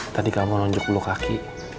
tadi kamu nunjuk bulu kaki